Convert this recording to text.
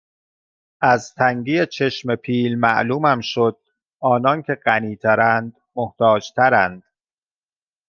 از تنگی چشم پیل معلومم شد آنان که غنی ترند محتاج ترند